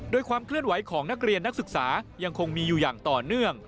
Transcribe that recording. โดยความเคลื่อนไหวของนักเรียนนักศึกษายังคงมีอยู่